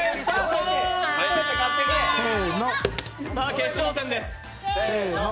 決勝戦です。